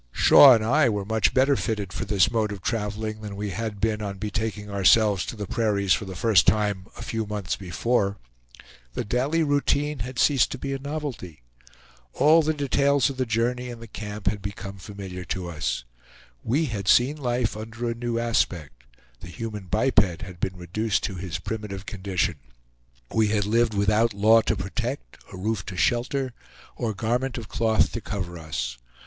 Shaw and I were much better fitted for this mode of traveling than we had been on betaking ourselves to the prairies for the first time a few months before. The daily routine had ceased to be a novelty. All the details of the journey and the camp had become familiar to us. We had seen life under a new aspect; the human biped had been reduced to his primitive condition. We had lived without law to protect, a roof to shelter, or garment of cloth to cover us.